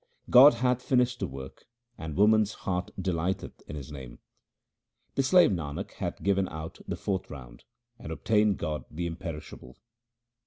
God hath finished the work, and woman's heart delighteth in His name. The slave Nanak hath given out the fourth round, and obtained God the Imperishable.